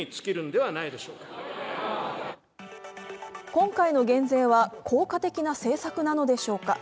今回の減税は、効果的な政策なのでしょうか。